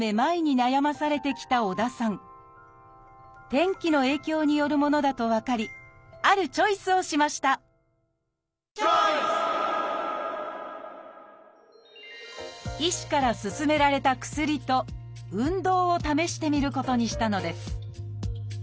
天気の影響によるものだと分かりあるチョイスをしました医師から勧められた薬と運動を試してみることにしたのです。